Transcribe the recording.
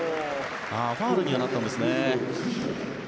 ファウルにはなったんですね。